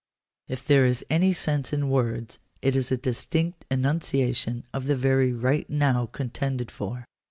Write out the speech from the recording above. If there is any sense in words it is a distinct enunciation of the very right now con tended for.